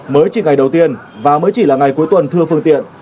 mới chỉ ngày đầu tiên và mới chỉ là ngày cuối tuần thưa phương tiện